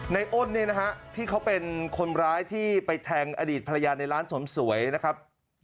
อ้นเนี่ยนะฮะที่เขาเป็นคนร้ายที่ไปแทงอดีตภรรยาในร้านเสริมสวยนะครับ